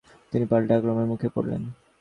তিনি পাল্টা আক্রমণের মুখে পড়লেন।